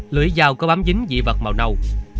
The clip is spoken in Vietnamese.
lưỡi dao có bám dính dị vật màu nâu